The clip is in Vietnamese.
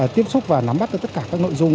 tiếp xúc và nắm bắt được tất cả các nội dung